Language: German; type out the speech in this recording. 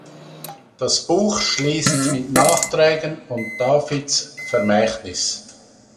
Das Buch schließt mit Nachträgen und Davids Vermächtnis.